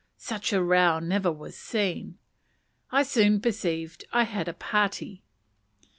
Such a row never was seen. I soon perceived I had a "party."